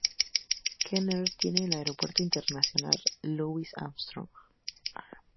Kenner tiene el Aeropuerto Internacional Louis Armstrong.